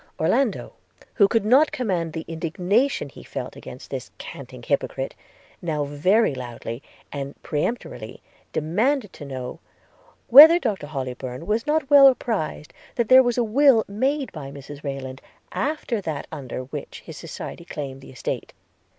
Orlando, who could not command the indignation he felt against this canting hypocrite, now very loudly and peremptorily demanded to know, 'Whether Doctor Hollybourn was not well apprised, that there was a will made by Mrs Rayland, after that under which his society claimed the estate?